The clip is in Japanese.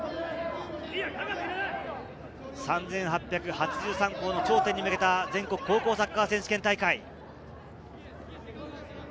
３８８３校の頂点に向けた全国高校サッカー選手権大会。